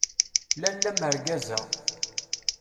Lalla mergaza!